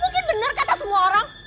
mungkin benar kata semua orang